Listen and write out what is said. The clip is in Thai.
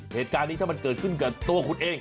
วิทยาลัยศาสตร์อัศวิทยาลัยศาสตร์